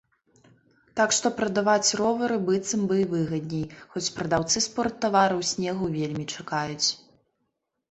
Так што прадаваць ровары быццам бы і выгадней, хоць прадаўцы спорттавараў снегу вельмі чакаюць.